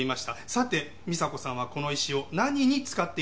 さて美沙子さんはこの石を何に使っていたでしょうか？